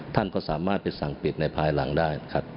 ท่านก็สามารถไปสั่งปิดในภายหลังได้นะครับ